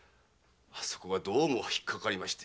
そこがどうもひっかかりまして。